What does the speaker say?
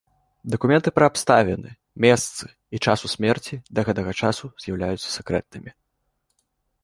Дакументы пра абставіны, месцы і часу смерці да гэтага часу з'яўляюцца сакрэтнымі.